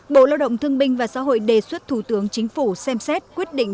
bộ lao động thương binh và xã hội đề xuất thủ tướng chính phủ xem xét quyết định